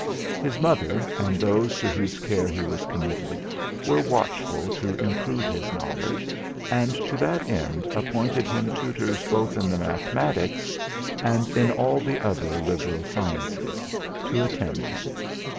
His mother, and those to whose care he was committed, were watchful to improve his knowledge, and to that end appointed him tutors both in the mathematics, and in all the other liberal sciences, to attend him.